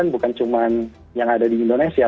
bukan cuma yang ada di indonesia